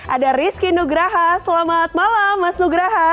ada rizky nugraha selamat malam mas nugraha